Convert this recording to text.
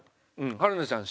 春菜ちゃん